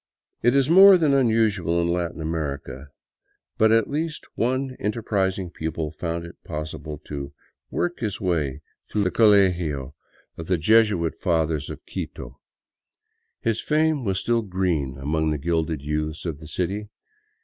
It is more than unusual in Latin America, but at least one enter prising pupil found it possible to " work his way " through the colegio 141 VAGABONDING DOWN THE ANDES of the Jesuit Fathers of Quito. His fame was still green among the gilded youths of the city.